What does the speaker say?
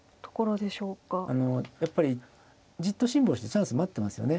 やっぱりじっと辛抱してチャンス待ってますよね。